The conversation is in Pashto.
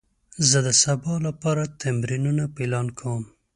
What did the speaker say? زه د سبا لپاره تمرینونه پلان کوم.